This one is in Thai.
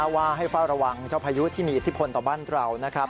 ว่าให้เฝ้าระวังเจ้าพายุที่มีอิทธิพลต่อบ้านเรานะครับ